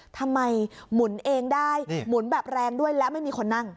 หมุนเองได้หมุนแบบแรงด้วยและไม่มีคนนั่ง